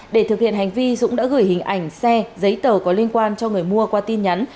để thực hiện hành vi dũng đã gửi hình ảnh xe giấy tờ có liên quan cho người mua qua tin nhắn